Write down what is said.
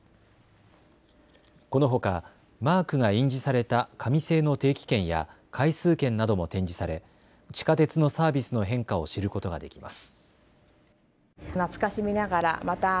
このほかマークが印字された紙製の定期券や回数券なども展示され地下鉄のサービスの変化を知ることができます。